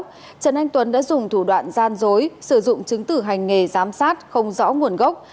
trần anh tuấn đã dùng thủ đoạn gian dối sử dụng chứng tử hành nghề giám sát không rõ nguồn gốc